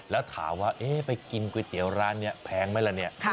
แล้วถามว่าไปกินก๋วยเตี๋ยวร้านนี้แพงไหมล่ะเนี่ย